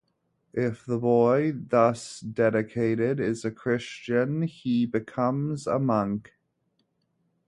If the boy thus dedicated is a Christian, he becomes a monk.